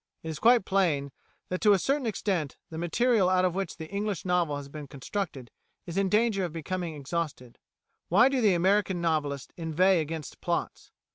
It is quite plain that to a certain extent the material out of which the English novel has been constructed is in danger of becoming exhausted. Why do the American novelists inveigh against plots?